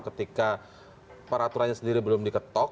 ketika peraturannya sendiri belum diketok